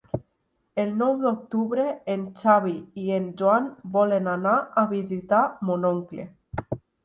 El nou d'octubre en Xavi i en Joan volen anar a visitar mon oncle.